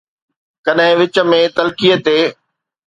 ڪڏهن وچ ۾ تلخيءَ تي